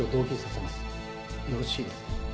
よろしいですね？